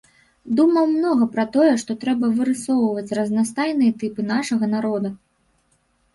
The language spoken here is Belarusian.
Думаў многа пра тое, што трэба вырысоўваць разнастайныя тыпы нашага народа.